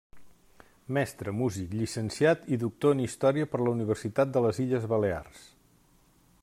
Mestre, músic, llicenciat i doctor en Història per la Universitat de les Illes Balears.